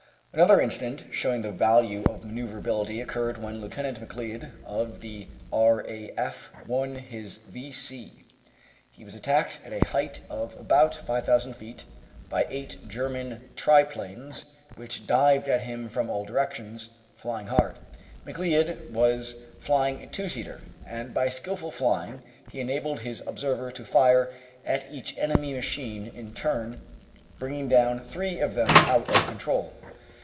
Another incident showing the value of manoeuvreability occurred when Lieutenant McLeod of the R.A.F. won his V.C. He was attacked at a height of about 5,000 feet by eight Ger man triplanes which dived at him from all directions, flying hard. McLeod was flying a two seater, and by skilful flying he enabled his observer to fire at each enemy machine in turn, bringing down three of them out of control.